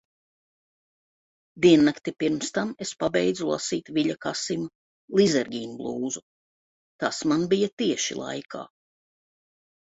Diennakti pirms tam es pabeidzu lasīt Viļa Kasima "Lizergīnblūzu". Tas man bija tieši laikā.